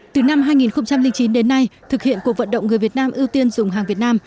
từ năm hai nghìn chín đến nay thực hiện cuộc vận động người việt nam ưu tiên dùng hàng việt nam